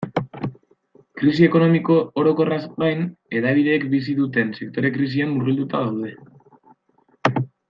Krisi ekonomiko orokorraz gain, hedabideek bizi duten sektore-krisian murgilduta gaude.